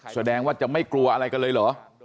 แสดงว่าจะไม่กลัวอะไรกันเลยเหรอ